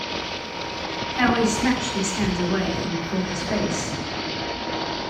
Harry snatched his hands away from before his face.